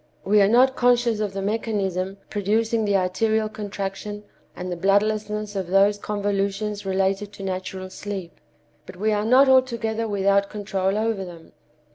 We are not conscious of the mechanism producing the arterial contraction and the bloodlessness of those convolutions related to natural sleep. But we are not altogether without control over them.